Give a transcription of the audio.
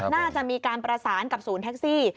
น่าจะมีการประสานกับศูนย์แท็กซี่